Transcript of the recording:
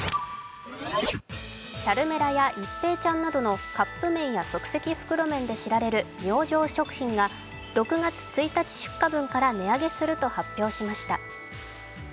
チャルメラや一平ちゃんなどのカップ麺や即席麺で知られる明星食品が６月１日出荷分から値上げすると発表しました。